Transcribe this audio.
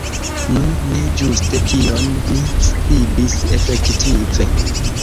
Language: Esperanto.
Nu, ne ĝuste tion ni skribis efektive.